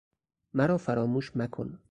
مرافراموش مکن